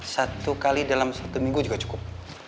satu kali dalam satu minggu juga cukup